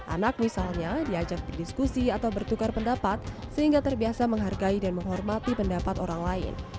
anak misalnya diajak berdiskusi atau bertukar pendapat sehingga terbiasa menghargai dan menghormati pendapat orang lain